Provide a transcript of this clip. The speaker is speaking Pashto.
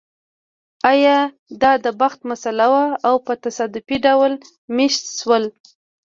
ایا دا د بخت مسئله وه او په تصادفي ډول مېشت شول